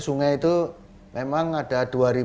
sungai itu memang ada